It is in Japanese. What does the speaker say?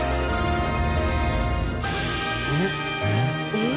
えっ。